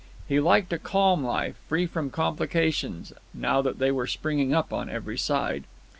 He liked a calm life, free from complications, and now they were springing up on every side.